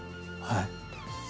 はい。